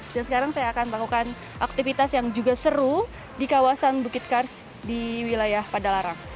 dan sekarang saya akan melakukan aktivitas yang juga seru di kawasan bukit kars di wilayah padalarang